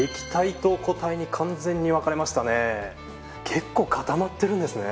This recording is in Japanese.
結構固まってるんですね。